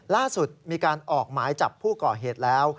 ล่าสุดมีการออกหมายจับผู้ก่อเหตุแล้ว